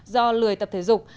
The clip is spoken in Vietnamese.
do lười tập thể dục